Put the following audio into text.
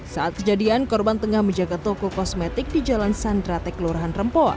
saat kejadian korban tengah menjaga toko kosmetik di jalan sandratek kelurahan rempo